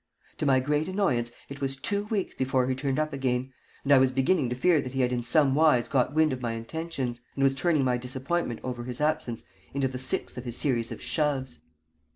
To my great annoyance, it was two weeks before he turned up again, and I was beginning to fear that he had in some wise got wind of my intentions, and was turning my disappointment over his absence into the sixth of his series of "shoves."